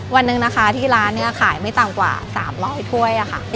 วันหนึ่งนะคะที่ร้านเนี่ยขายไม่ต่ำกว่า๓๐๐ถ้วยค่ะ